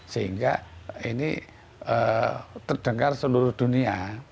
sehingga ini terdengar seluruh dunia